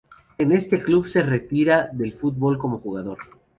En este club se retira del fútbol como jugador.